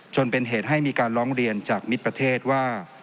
จนเป็นเหตุให้มีการร้องเรียนจากมิตรประเทศว่า